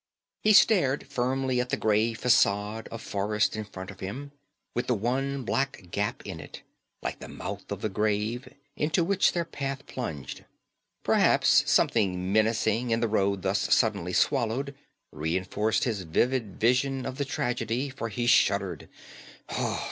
He stared firmly at the grey façade of forest in front of him, with the one black gap in it, like the mouth of the grave, into which their path plunged. Perhaps something menacing in the road thus suddenly swallowed reinforced his vivid vision of the tragedy, for he shuddered.